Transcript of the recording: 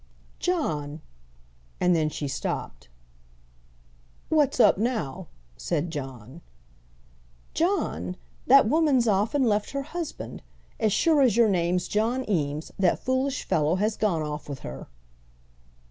"John!" and then she stopped. "What's up now?" said John. "John! That woman's off and left her husband. As sure as your name's John Eames, that foolish fellow has gone off with her."